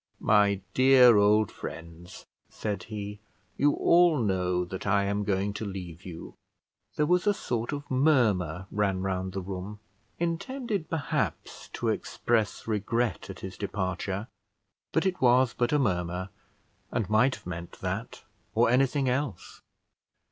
"My dear old friends," said he, "you all know that I am going to leave you." There was a sort of murmur ran round the room, intended, perhaps, to express regret at his departure; but it was but a murmur, and might have meant that or anything else.